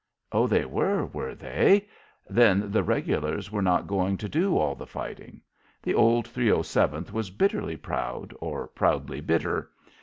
Oh, they were, were they? Then the regulars were not going to do all the fighting? The old 307th was bitterly proud or proudly bitter.